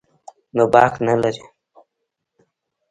نو باک نه لري.